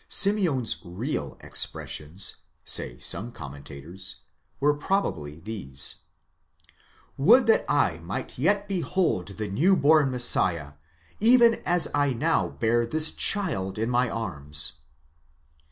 Simeon's real expressions, say some commentators, were probably these: Would that I might yet behold the new born Messiah, even as I now bear this child in my arms!